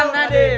itu baru serem